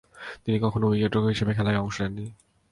তিনি কখনো উইকেট-রক্ষক হিসেবে খেলায় অংশ নেননি।